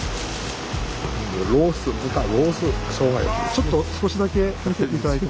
ちょっと少しだけ見せて頂いても。